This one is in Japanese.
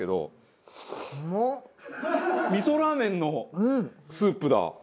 味噌ラーメンのスープだ！